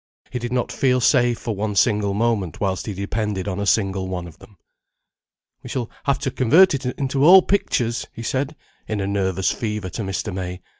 He did not feel safe for one single moment whilst he depended on a single one of them. "We shall have to convert into all pictures," he said in a nervous fever to Mr. May.